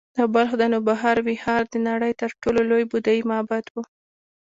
د بلخ د نوبهار ویهار د نړۍ تر ټولو لوی بودایي معبد و